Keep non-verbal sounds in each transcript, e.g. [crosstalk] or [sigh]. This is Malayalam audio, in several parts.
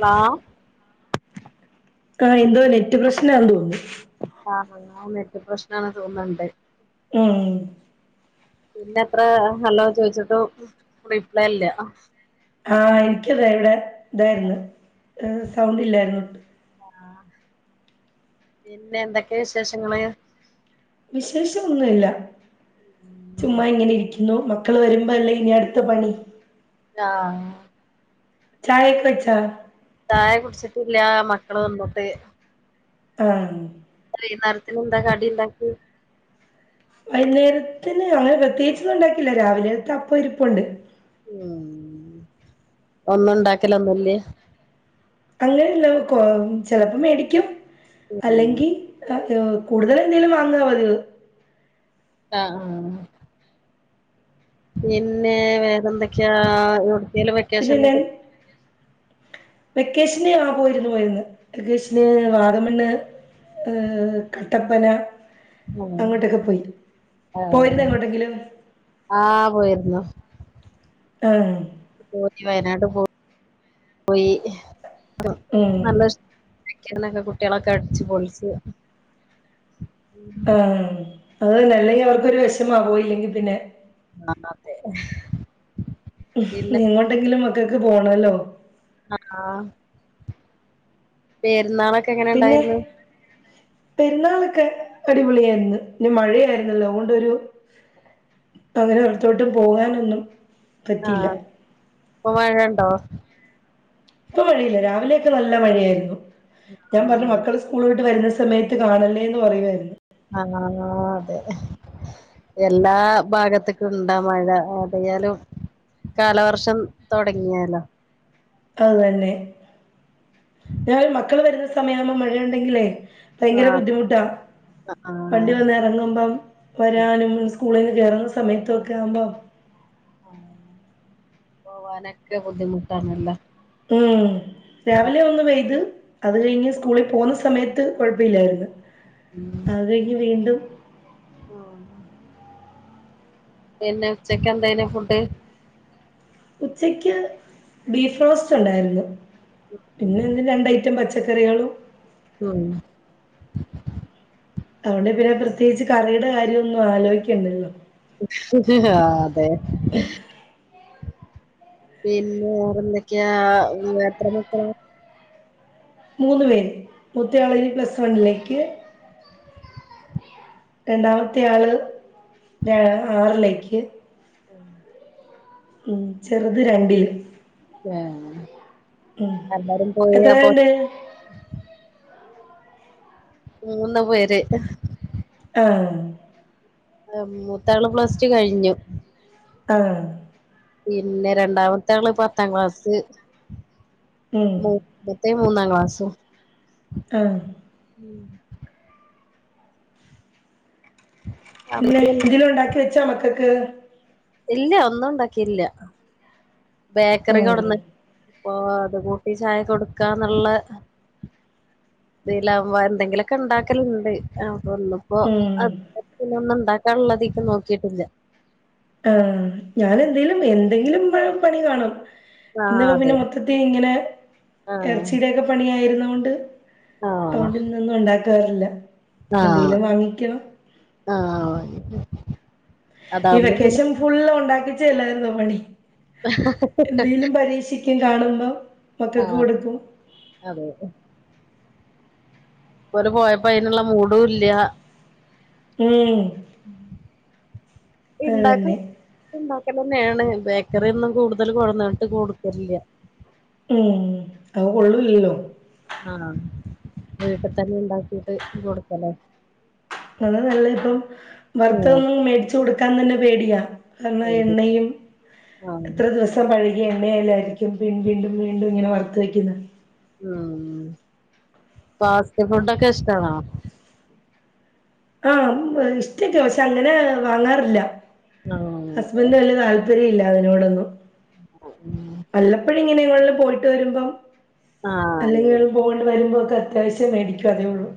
ഹലോ ആഹ എന്തോ നെറ്റ് പ്രശ്നാ തോന്നുന്നു ആ നെറ്റ് പ്രശ്നം ആ തോന്നുണ്ട് ഉം പിന്നെ അത്ര ഹല്ലോ ചോയിച്ചിട്ട് റീപ്ലൈ അല്ല ആഹ എനിക്കത് ഇവിടെ ഇതായിരുന്നു സൗണ്ട് ഇല്ലായിരുന്നു ആഹ പിന്നെ എന്തൊക്കെയ വിശേഷങ്ങള് വിശേഷംന്നല്ല ചുമ്മാ ഇങ്ങനെ ഇരിക്കും ഇ മക്കൾ വരുമ്പോ അല്ലേ ഇനി അടുത്ത പണി ആഹ ചായക്കൊ വെച്ചോ ചായ കുടിച്ചിട്ടില്ല മക്കള് വന്നിട്ട് ആഹ വൈകുന്നേരം ത്തിന് എന്താ കടി ഉണ്ടാക്കി വൈകുന്നേരത്തിന് അങ്ങനെ പ്രത്യേകിച്ചന്നും ഉണ്ടാക്കില്ല രാവിലെ അപ്പ ഇരിപ്പ ഉണ്ട് ഉം ഒന്നും ഉണ്ടാക്കൽ ഒന്നും ഇല്ലെ അങ്ങനെുള്ള കൊ ചിലപ്പോ മേടിക്കും ഉം അല്ലെങ്കിൽ കൂടുതൽ എന്തെങ്കലും വാങ്ങാ മതി ആഹ ആഹ പിന്നെ വേറെഎന്തൊക്കെയാ എവിടക്കലും പിന്നെ വെക്കേഷൻ ഞാൻ വെക്കേഷന് ആ പോയിരുന്നു പോയിന്ന് വെക്കേഷന് വാഗമണ്ണ് ഏ കട്ടപ്പന അങ്ങോട്ടൊക്കെ പോയി പോയിരുന്നോ ആഹ് അങ്ങോട്ടെങ്കിലും ആഹ് പോയിരുന്നു. ആഹ പോയി വയനാട്ടിൽ ഉം എന്നൊക്കെ കുട്ടികളൊക്കെ അടച്ച് പൊളിച്ചു ആ അത് തന്നെ അല്ലെങ്കിൽ അവർക്കൊരു വിശമാ പോയി ഇല്ലെങ്കി പിന്നെ ആഹ എങ്ങോട്ടെങ്കിലും മക്കൾക്ക് പോണല്ലോ ആഹ പെരുന്നാളൊക്കെ എങ്ങനെ പിന്നെ ഉണ്ടായിരുന്നു? പെരുന്നാളൊക്കെ അടിപൊളിയായിരുന്നു. ഇ മഴയായിരുന്നല്ലോ അതുകൊണ്ടരു അങ്ങനെ പുറത്തോട്ടും പോകാനൊന്നും പറ്റിയില്ല. ആഹ് ഇപ്പൊ മഴ ഉണ്ടോ? ഇപ്പ മഴയില്ല. രാവിലെയൊക്കെ നല്ല മഴയായിരുന്നു ഞാൻ പറഞ്ഞു ആഹ് മക്കൾ സ്കൂളട്ട് വരുന്ന സമയത്ത് കാണല്ലേ എന്ന് പറയുായിരുന്നു ആ അതെ എല്ലാ ഭാഗത്തക്കും ഇണ്ടാ മഴ അതായാലും കാലവർഷം തുടങ്ങിയാലോ അത് തന്നെ ഞങ്ങൾ മക്കൾ വരുന്ന സമയ ആവുമ്പോ മഴയുണ്ടെങ്കിലേ ഭയങ്കര ആഹ് ബുദ്ധിമുട്ടാ ആഹ് വണ്ടി വന്ന് ഇറങ്ങുമ്പം വരാനും സ്കൂളിൽ നിന്ന് കയറുന്ന സമയത്തൊക്കെ ആകുമ്പോ ആ പോവാനൊക്കെ ബുദ്ധിമുട്ടാണലെ? ഉം രാവിലെ ഒന്ന് വെയത് അത് കഴിഞ്ഞ് സ്കൂളിൽ പോകുന്ന സമയത്ത് കുഴപ്പല്ലായിരുന്നു. ഉം ആഗ്രി വീണ്ടും ഓ പിന്നെ ഉച്ചയ്ക്ക് എന്തന ഫുഡ് ഉച്ചക്ക് ബീഫ് റോസ്റ്റ് ഉണ്ടായിരുന്നു. പിന്നെ എന്താ രണ്ട് ഐറ്റം പച്ചക്കറികളും. ഉം അതുകൊണ്ട് പിന്നെ പ്രത്യേകിച്ച് കറിയുടെ കാര്യം ഒന്നും ആലോയിക്കണ്ടല്ലോ. ആഹ് അതെ പിന്നെ വേറെ എന്തൊക്കെയാ എത്ര മക്കളാ മൂന്ന് പേര് മൂത്തയാളിനി പ്ലസ് വണ്ണിലേക്ക് രണ്ടാമത്തെ ആള് ആറിലേക്ക് [inaudible] ചെറുത് രണ്ടിലും ഏഹ് എല്ലാരും പോയി എത്ര അപ്പൊ ആളുണ്ട് മൂന്ന് പേര് ആഹ് മൂത്താള് പ്ലസ് ടു കഴിഞ്ഞു. ആഹ് പിന്നെ രണ്ടാമത്തെ ആള് പത്താം ക്ലാസ്സ് ഉം, മൂത്തേ മൂന്നാം ക്ലാസ്സും ആഹ് [inaudible] ഇല്ല എന്തേലും ഉണ്ടാക്കി വെച്ചോ മക്കക്ക് ഇല്ല ഒന്നും ഉണ്ടാക്കിയില്ല ബേക്കറി ഉം, കൊടുന്ന് അപ്പൊ അത് കൂട്ടി ചായ കൊടുക്കാന്നുള്ള തിലാകുമ്പോ അഹ്‌ എന്തെങ്കിലുക്കെ ഇണ്ടാക്കലുണ്ട് അപ്പോ ഇന്നും അപ്പൊ അ ഉം. പിന്നെ ഒന്നും ഇണ്ടാക്കാനുള്ളതിക്കു നോക്കിയിട്ടില്ല ആഹ് ഞാൻ എന്തേലും എന്തെങ്കിലും പെ പണി കാണും ആഹ് ഇന്ന് അതെ പിന്നെ മൊത്തത്തി ഇങ്ങനെ ആഹ് ഇറച്ചിയുടോക്കെ പണിയായിരുന്ന കൊണ്ട് ആഹ് അതോണ്ട് ഇന്നൊന്നും ഇണ്ടാക്കാറില്ല ആഹ് ആഹ് ഓ അങ്ങനെ ഈ വെക്കേഷൻ ഫുൾ ഉണ്ടാക്കിച്ചേല്ലായിരുന്നോ പണി എന്തേലും പരീക്ഷിക്കും കാണുമ്പോ മക്കൾക്ക് ആഹ് കൊടുക്കും അതെ പ്പ ഓൽ പോയപ്പോ അയിനുള്ള മൂഡും ഇല്ല ഉം ഇണ്ടാക്കും അതന്നെ ഇണ്ടാക്കലന്നെണ് ബേക്കറിയൊന്നും കൂടുതൽ കൊടുന്നിട്ട് കൊടുക്കലില്ല ഉം അത് കൊള്ളൂലല്ലോ ആഹ് വീട്ടിൽ തന്നെ ഇണ്ടാക്കിട്ട് കൊടുക്കല അത നല്ല ഇപ്പം ആഹ് വറുത്തതോന്നും മേടിച്ചു കൊടുക്കാൻ തന്നെ പേടിയാ കാരണം ശരി എണ്ണയും ആഹ് എത്ര ദിവസം പഴകിയ എണ്ണയല്ലാ [unintelligible] വീണ്ടും വീണ്ടും ഇങ്ങനെ വർത്ത് വെക്കുന്ന ഉം ഫാസ്റ്റ് ഫുഡൊക്കെ ഇഷ്ടാണോ ആഹ് ഇഷ്ടം ചെയ്ച്ച അങ്ങനെ വാങ്ങാറില്ല ആഹ് ഹസ്ബന്റിന് വല്ല്യാ താല്പര്യല്ല അതിനോടൊന്നും [inaudible] വല്ലപ്പോഴും ഇങ്ങനെ എങ്ങടേലും പോയിട്ട് വരുമ്പം അല്ലെങ്കിൽ ആഹ് അങ്ങനെ എവിടെ പോകേണ്ട വരുമ്പ ഒക്കെ അത്യാവശ്യം വേടിക്കും അതേ ഉള്ളൂ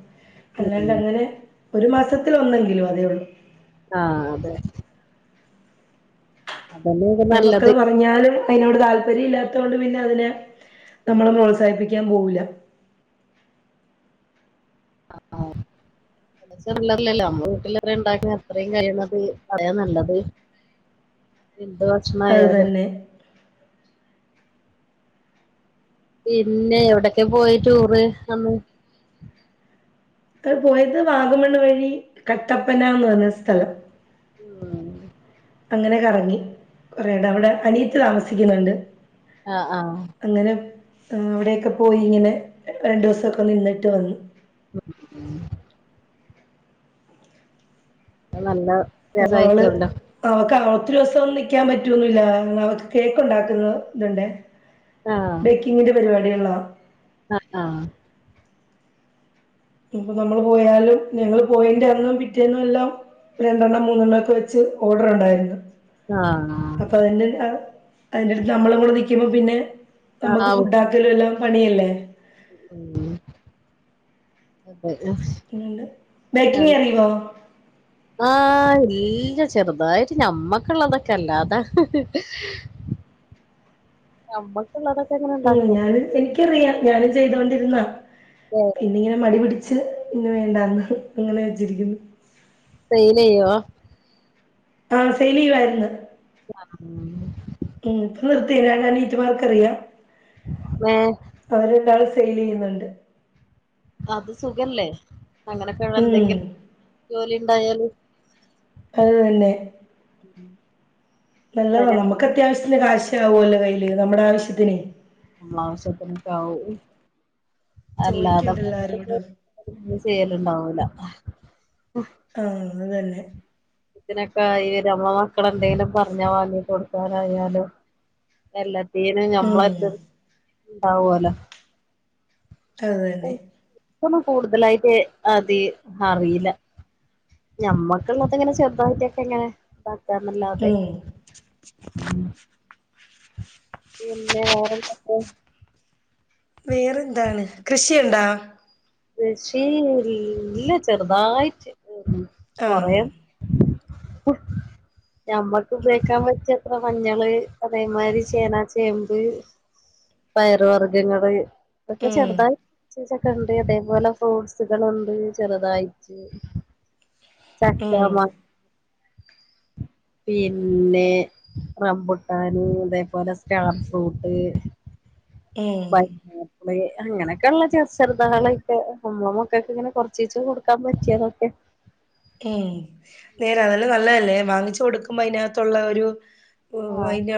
അല്ലാണ്ട് ഉം അങ്ങനെ ഒരു മാസത്തിൽ ഒന്നെങ്കിലും അതേ ഉള്ളു ആഹ് അതെ ആദണെന്ന് താ മക്കള് പറഞ്ഞാലും അതിനോട് താല്പര്യം ഇല്ലാത്തോണ്ട് പിന്നെ അതിനെ നമ്മൾ പ്രോത്സാഹിപ്പിക്കാൻ പോവൂല ആഹ് ആഹ് ചെറല്ലറല്ലല്ലോ നമ്മ വിട്ടേലെന്ധെങ്കിലും ഉണ്ടാക്കുന്ന എത്രയും കഴിന്നത് പറയാൻ നല്ലത് എന്തുവാ ചെ അഹ് തന്നെ പിന്നെ എവിടൊക്കെ പോയി ടൂറ് അന്ന് മക്കൾ പോയത് വാഗമണ്ണ വഴി കട്ടപ്പന ന്ന് പറഞ്ഞ സ്ഥലം ഉം അങ്ങനെയൊ കറങ്ങി കൊറേണ്ട് അവിടെ അനിയത്തി താമസിക്കുന്നുണ്ട് ആഹ ആഹ് അങ്ങനെ ഹെ അവിടെയൊക്കെ പോയി ഇങ്ങനെ രണ്ട് ദിവസവെക്കെ നിന്നിട്ട് വന്നു ഉ അഹ്‌ നല്ല അപ്പ അവള് രസായിരിക്കുവല്ലോ അവക്ക് ഒത്തിരി ദിവസം നിക്കാൻ പറ്റുവന്നല്ല അവക്ക് കേക്കു ണ്ടാക്കുന്ന തുണ്ടേ ആഹ് ബേക്കിങ്ങിന്റെ പരിപാടികൾ ള്ളാ ആഹ് ആഹ് നിപ്പൊ നമ്മള് പോയാലും ഞങ്ങള് പോയേന്റെ അന്നും പിറ്റേന്നും എല്ലാം രണ്ടെണ്ണം മൂന്നെണ്ണം ഒക്കെ വെച്ച് ഓഡറുണ്ടായിരുന്നു ആഹ് അപ്പൊ അതിന്റെ അ അതിന്റടുത്ത് നമ്മള് പോയി നിക്കുമ്പോ പിന്നെ നമ്മക്ക ആഹ് ഫുഡ്ഡ ക്കലു എല്ലാം പണിയല്ലേ ഉം അതയ ണ്ട് ബേക്കിങ്ങറിയുവോ ആഹ് ല്ല ചെറുതായിട്ട് ഞമ്മക്കുള്ളതൊക്കെല്ലാതെ നമ്മ ക്ക്‌ള്ളതൊക്കെങ്ങനെ ഉം ഞാനും എനിക്കറിയാം ഞാനും ചെയ്തൊണ്ടിരുന്നാ നേര് പിന്നിങ്ങനെ മടിപിടിച്ച് ഇന്ന് വേണ്ടന്ന്, ങ്ങനെ വെച്ചിരിക്കുന്നു സെയിലെയ്യോ ആഫെ ലീവാര്ന്ന് ആഹ് ഉം കേക്ക് നിർത്തിനാ ഞാൻ നീറ്റ്മാർക്കറിയാം ഏഹ് അവരണ്ടാളും സെയിലെയ്യുന്നുണ്ട് അത് സുഖല്ലേ അങ്ങനൊക്കെള്ള ഉം എന്തെങ്കിലും ജോലിണ്ടായല് അത് വല്ലേ ഉഹ നല്ലതാ നമുക്കത്യാവശ്യത്തിന് കാശു ആവുമല്ലോ കയ്യില് നമ്മുടാവശ്യത്തിന് നമ്മളാവിശ്യത്തിനൊക്കാവും അല്ലാതെ ചോദിക്കണ്ടല്ലോ പ്പ ആരോടും അതിന്നി ചെയ്യല്ണ്ടാവൂല ആഹ് അത് തന്നെ ത്തിനൊക്കെ ഈവര അമ്മ മക്കളെ എന്തെങ്കലും പറഞ്ഞ വാങ്ങി കൊടുക്കാനായാലും എല്ലത്തീനും ഉം ഞമ്മളെട്ത്ത് ണ്ടാവോലോ അതു തന്നെ ക്കൊന്നും കൂടുതലായിട്ട് അത് അറീല. ഞമ്മക്ക്‌ള്ളത്ങ്ങനെ ചെർ പക‌തിയോക്കെങ്ങനേ താക്കന്നല്ലാതെ ഉം പിന്നെ വേറെന്തൊക്കെ വേറെന്താണ് കൃഷിയുണ്ടാ കൃഷി ഇല്ല ചെറുതായിട്ട് ഉം ആഹ് കൊറേ കുട്ട് നമ്മക്ക്‌ഉപയോഗിക്കാൻ പറ്റിയ ഇപ്പൊ മഞ്ഞള് അതേമാരി ചേനാ ചേമ്പ് പയറ് വർഗങ്ങള് ഇതൊക്കെ ഉം ചെറുതായി കൊർച്ചീച്ചൊക്കെണ്ട് അതേപോലെ ഫ്രൂട്ട്സ്കള്ണ്ട് ചെറ്തായിറ്റ്. ചക്കാ ഉം മാങ്ങാ പിന്നെ റംമ്പുട്ടാന് അതേപോലെ സ്റ്റാർ ഫ്രൂട്ട് ഉം പ അങ്ങനൊക്കെള്ള ചെറ് ചെറ്ത്കളൊക്കെ അമ്മളെ മക്കക്ക്ങ്ങനെ കൊർച്ചീച്ചെ കൊടുക്കാൻ പറ്റ്യതൊക്കെ. ഏഹ് നേരെ അതെല്ലാം നല്ലതല്ലേ വാങ്ങിച്ചു കൊടുക്കുമ്പോ അയിനാത്തുള്ള ഒരു ആഹ് അയിനാ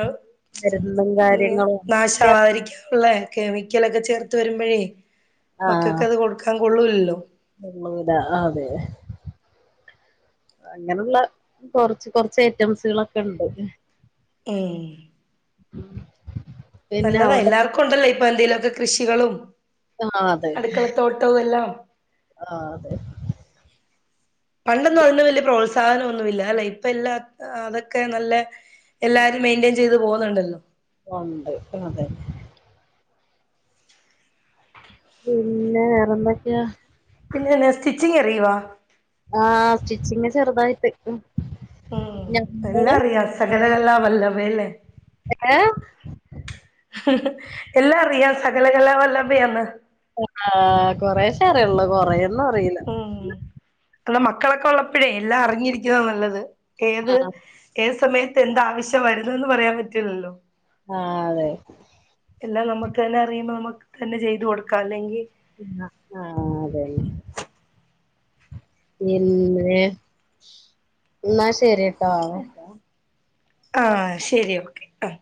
മരുന്നും കാര്യങ്ങളും ഇല്ല നാശാവാതിരിക്കാ ഒള്ളേ കെമിക്കലൊക്കെ ചേർത്ത് വരുമ്പഴേ ആഹ് മക്കക്കത് കൊടുക്കാൻ കൊള്ളൂലല്ലോ. കൊള്ളൂല അതെ. അങ്ങനെള്ള കൊറച്ച് കൊറച്ച് ഐറ്റംസ്കളൊക്കെണ്ട്. ഏഹ്. ഉം. നല്ലതാ എല്ലാവർക്കുണ്ടല്ലോ ഇപ്പൊ എന്തേലൊക്കെ കൃഷികളും ആഹ് അതെ അടുക്കളത്തോട്ടവു എല്ലാം. ആഹ് അതെ. പണ്ടൊന്നും അതിന് വല്ല്യ പ്രോത്സാഹനമൊന്നുവില്ല അല്ലെ ഇപ്പ എല്ലാ അതൊക്കെ നല്ലേ എല്ലാരും മെയിൻ്റെയിൻ ചെയ്ത് പോവ്ന്ന്ണ്ടല്ലോ. ഉണ്ട് അതെ. പിന്നെ വേറെന്തൊക്ക്യാ? പിന്നെന്നാ സ്റ്റിച്ചിങ്ങ് അറിയുവാ? ആഹ് സ്റ്റിച്ചിങ് ചെറുതായ്ട്ട്. എല്ലാറിയാം സകലകലാ വല്ലഭയല്ലേ. ഏഹ്? എല്ലാറിയാം സകലകല വല്ലഭ്യാന്ന്. ആഹ് കൊറശേ അറിയൊള്ളൂ കൊറേന്നും അറിയില് അല്ല മക്കളൊക്കെ ഒള്ളപ്പഴേ എല്ലാം അറിഞ്ഞിരിക്കുന്നാ നല്ലത്, ഏത് ആഹ് ഏത് സമയത്ത് എന്താവശ്യാ വരുന്നേന്ന് പറയാൻ പറ്റൂല്ലല്ലോ. ആഹ് അതെ. എല്ലാം നമ്മുക്കെന്നെ അറിയുമ്പോ നമുക്ക് തന്നെ ചെയ്തു കൊടുക്കാം അല്ലെങ്കീ ആഹ് അതെന്നെ. പിന്നേ ന്നാ ശെരി ആഹ് ശെരി ഓക്കെ. ആഹ്